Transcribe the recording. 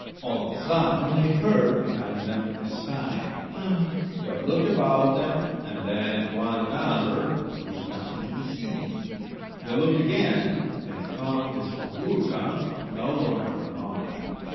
All of a sudden they heard, behind them, a sigh— "Ah!" They looked about them, and then at one another. There was nothing to be seen. They looked again, and found that Snyegurka was no longer among them.